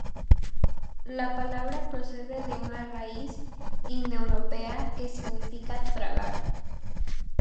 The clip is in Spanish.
La palabra procede de una raíz indoeuropea que significa tragar.